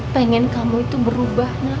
pengen kamu itu berubah